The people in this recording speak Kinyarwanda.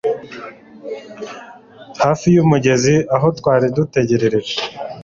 Hafi yumugezi aho twari dutegereje